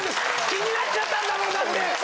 気になっちゃったんだもんだって！